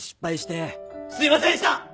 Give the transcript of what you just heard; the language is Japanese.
すいませんでした！